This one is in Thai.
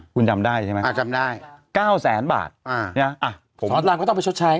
คุณจำได้ใช่ไหมอ่าจำได้เก้าแสนบาทอ่าเนี้ยอ่ะสอนรามก็ต้องไปชดใช้